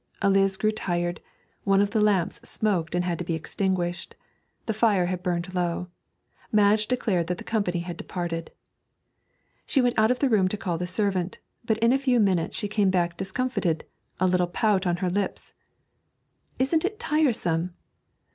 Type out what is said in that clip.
Eliz grew tired; one of the lamps smoked and had to be extinguished; the fire had burned low. Madge declared that the company had departed. She went out of the room to call the servant, but in a few minutes she came back discomfited, a little pout on her lips. 'Isn't it tiresome!